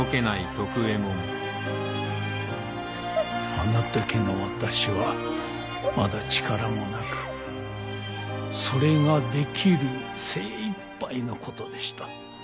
あのときの私はまだ力もなくそれができる精いっぱいのことでした。